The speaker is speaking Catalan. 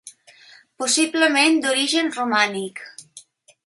Possiblement d'origen romànic.